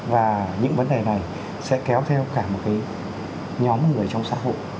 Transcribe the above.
và những vấn đề này sẽ kéo theo cả một cái nhóm người trong xã hội